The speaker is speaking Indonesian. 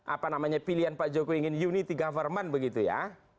apa namanya pilihan pak jokowi ingin unity government begitu ya